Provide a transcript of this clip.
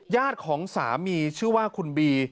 ของสามีชื่อว่าคุณบี